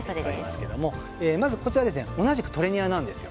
同じくトレニアなんです。